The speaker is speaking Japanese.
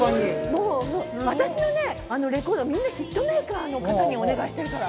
私のねレコードはみんなヒットメーカーの方にお願いしてるから。